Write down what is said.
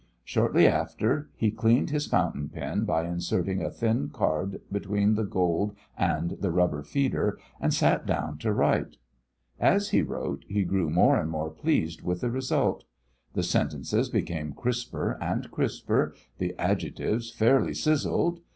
Shortly after, he cleaned his fountain pen, by inserting a thin card between the gold and the rubber feeder, and sat down to write. As he wrote he grew more and more pleased with the result. The sentences became crisper and crisper. The adjectives fairly sizzled.